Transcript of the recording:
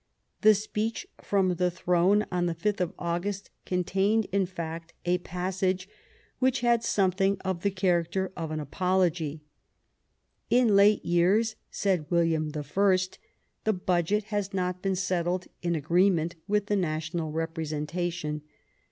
The Speech from the Throne on the 5th of August contained, in fact, a passage which had something of the character of an apology. "In late years," said William I, "the budget has not been settled in agreement with the Na tional Representation.